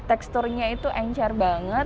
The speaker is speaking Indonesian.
aturnya itu encer banget